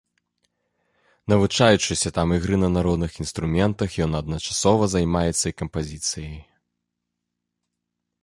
Навучаючыся там ігры на народных інструментах, ён адначасова займаецца і кампазіцыяй.